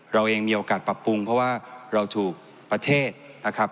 เราเองมีโอกาสปรับปรุงเพราะว่าเราถูกประเทศนะครับ